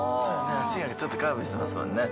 足がちょっとカーブしてますもんね。